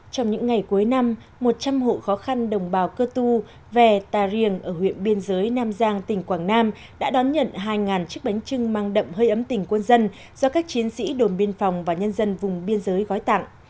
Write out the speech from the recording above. trong những ngày cuối năm một trăm linh hộ khó khăn đồng bào cơ tu về tà riềng ở huyện biên giới nam giang tỉnh quảng nam đã đón nhận hai chiếc bánh trưng mang đậm hơi ấm tỉnh quân dân do các chiến sĩ đồn biên phòng và nhân dân vùng biên giới gói tặng